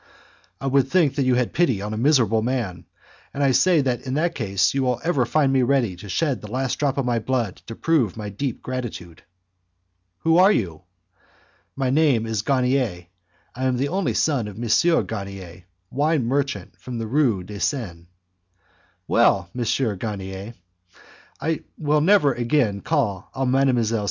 "I would think that you had pity on a miserable man, and I say that in that case you will ever find me ready to shed the last drop of my blood to prove my deep gratitude." "Who are you?" "My name is Garnier, I am the only son of M. Garnier, wine merchant in the Rue de Seine." "Well, M. Garnier, I will never again call on Mdlle.